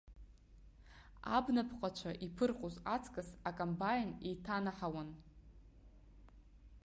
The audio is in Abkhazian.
Абнаԥҟацәа иԥырҟоз аҵкыс акомбаин еиҭанаҳауан.